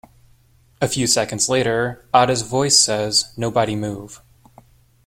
A few seconds later, Atta's voice says, Nobody move.